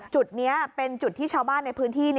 จุดนี้เป็นจุดที่ชาวบ้านในพื้นที่